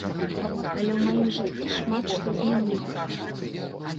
Але ў маім жыцці шмат што змянілася.